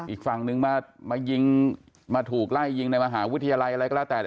อีกฝั่งนึงมายิงมาถูกไล่ยิงในมหาวิทยาลัยอะไรก็แล้วแต่